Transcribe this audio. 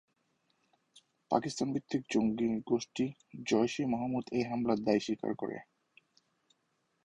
পাকিস্তান-ভিত্তিক জঙ্গি গোষ্ঠী জইশ-ই-মুহাম্মদ এই হামলার দায় স্বীকার করে।